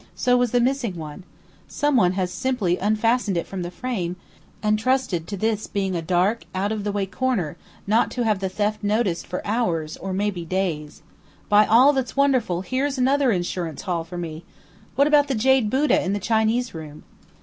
So was the missing one. Someone has simply unfastened it from the frame, and trusted to this being a dark, out of the way corner, not to have the theft noticed for hours or maybe days. By all that's wonderful, here's another insurance haul for me! What about the jade Buddha in the Chinese room?"